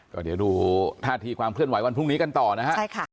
ก็เดี๋ยวดูท่าทีความเคลื่อนไหววันพรุ่งนี้กันต่อนะฮะ